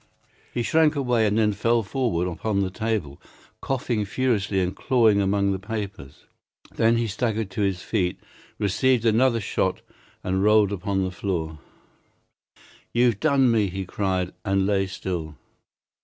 He shrank away and then fell forward upon the table, coughing furiously and clawing among the papers. Then he staggered to his feet, received another shot, and rolled upon the floor. "You've done me," he cried, and lay still.